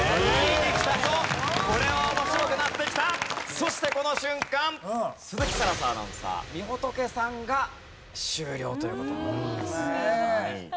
そしてこの瞬間鈴木新彩アナウンサーみほとけさんが終了という事になります。